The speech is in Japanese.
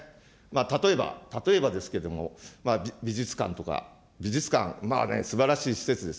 例えば、例えばですけれども、美術館とか、美術館、すばらしい施設です。